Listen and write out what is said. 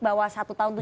bahwa satu tahun itu